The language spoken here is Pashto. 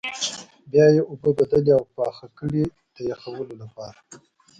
بیا یې اوبه بدلې او پاخه کړئ د پخولو لپاره.